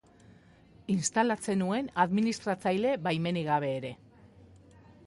Instalatzen nuen administratzaile baimenik gabe ere.